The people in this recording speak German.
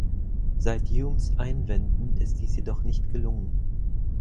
Seit Humes Einwänden ist dies jedoch nicht gelungen.